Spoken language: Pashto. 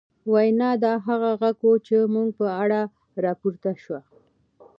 وينا، دا هغه غږ و، چې زموږ په اړه راپورته شو